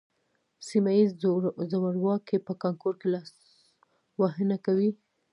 سیمه ییز زورواکي په کانکور کې لاسوهنه کوي